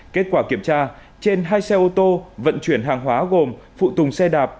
kết quả kiểm tra trên hai xe ô tô vận chuyển hàng hóa gồm phụ tùng xe đạp